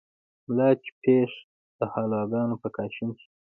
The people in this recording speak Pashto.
ملا چې پېښ دحلواګانو په کاشين شي